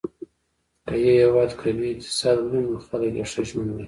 که یو هېواد قوي اقتصاد ولري، نو خلک یې ښه ژوند لري.